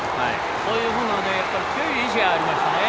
そういう強い意志がありました。